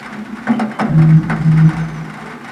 o چي وائې ورې وې وايه، چي وې وينې مې وايه٫